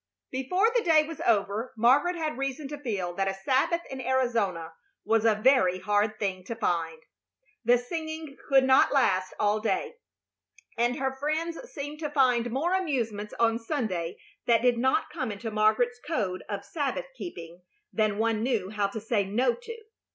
Before the day was over Margaret had reason to feel that a Sabbath in Arizona was a very hard thing to find. The singing could not last all day, and her friends seemed to find more amusements on Sunday that did not come into Margaret's code of Sabbath keeping than one knew how to say no to.